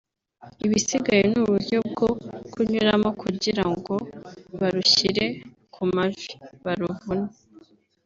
ibisigaye ni uburyo bwo kunyuramo kugira ngo barushyire ku mavi(baruvune)